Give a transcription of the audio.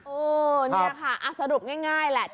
โอ้นี่ค่ะสรุปง่ายแหละ